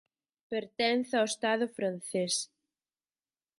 Pertence ao Estado francés.